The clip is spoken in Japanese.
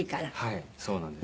はいそうなんです。